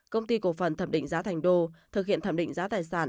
công ty cổ phần thẩm định giá thành đô thực hiện thẩm định giá tài sản